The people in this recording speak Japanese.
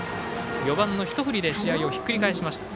４番のひと振りで試合をひっくり返しました。